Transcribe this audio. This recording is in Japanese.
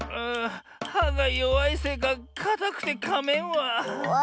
はがよわいせいかかたくてかめんわ。